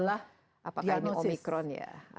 apakah ini omikron ya